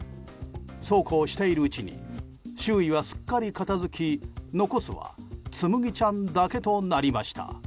そうこうしているうちに周囲はすっかり片付き残すは、つむぎちゃんだけとなりました。